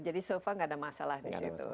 jadi so far nggak ada masalah di situ